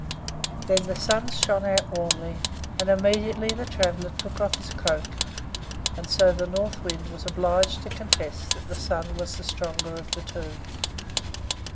Then the Sun shined out warmly, and immediately the traveler took off his cloak. And so the North Wind was obliged to confess that the Sun was the stronger of the two.